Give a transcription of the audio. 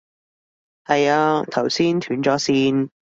係啊，頭先斷咗線